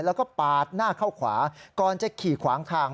แล้วก็ปาดหน้าเข้าขวาก่อนจะขี่ขวางทาง